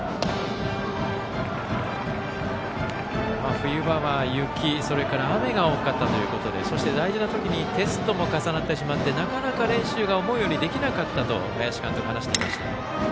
冬場は雪、それから雨が多かったということでそして大事な時にテストも重なったりしてしまってなかなか練習が思うようにできなかったと林監督は話していました。